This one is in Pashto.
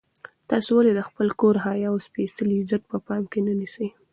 تاسو ولې د خپل کور حیا او سپېڅلی عزت په پام کې نه نیسئ؟